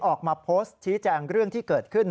ออกมาโพสต์ชี้แจงเรื่องที่เกิดขึ้น